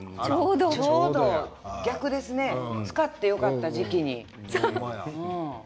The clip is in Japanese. ちょうど逆ですね買ってよかった時期に。